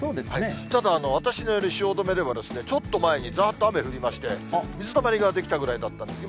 ただ、私のいる汐留では、ちょっと前にざーっと雨降りまして、水たまりが出来たぐらいだったんです。